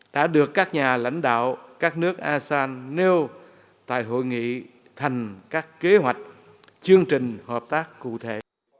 đã được các nhà lãnh đạo các nước asean nêu tại hội nghị thành các kế hoạch chương trình hợp tác cụ thể